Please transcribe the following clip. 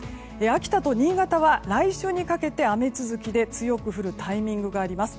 秋田と新潟は来週にかけて雨続きで強く降るタイミングがあります。